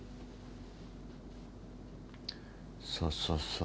そうそうそう。